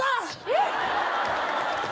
えっ？